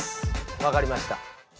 わかりました！